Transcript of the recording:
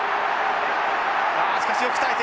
しかしよく耐えている。